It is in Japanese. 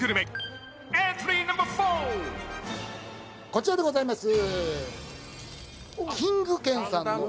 こちらでございます。